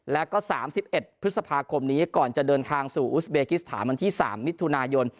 แล้วก็๓๑พฤษภาคมนี้ก่อนจะเดินทางสู่อุสเบกิสถานวันที่๓มิถุนายน